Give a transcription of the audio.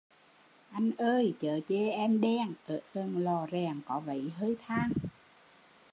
Anh ơi chớ chê em đen, ở gần lò rèn có vấy hơi than